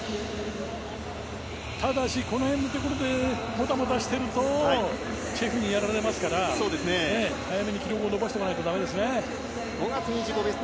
ただし、この辺でもたもたしているとチェフにやられますから、早めに記録を伸ばしておかないとだめですね。